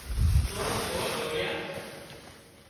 تو سور ڌوڙيا